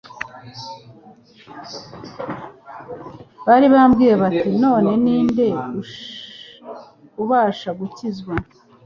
Bari babwiranye bati: «none ninde ubasha gukizwa? »